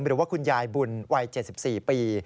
หรือว่าคุณยายบุญวัย๗๔ปี